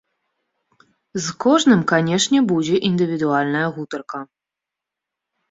З кожным, канешне, будзе індывідуальная гутарка.